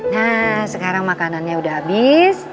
nah sekarang makanannya udah habis